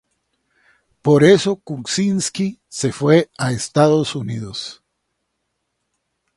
Por esto Kuczynski se fue a Estados Unidos.